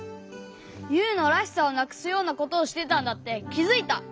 ユウの「らしさ」をなくすようなことをしてたんだってきづいた！